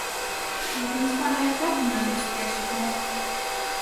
Un principā nav jau pretrunu ar jūsu priekšlikumu.